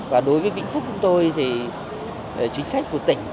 và đối với vĩnh phúc của tôi thì chính sách của tỉnh